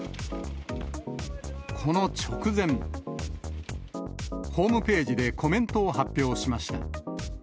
この直前、ホームページでコメントを発表しました。